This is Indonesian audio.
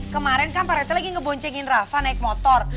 kemaren kan pak rete lagi ngeboncengin rafa naik motor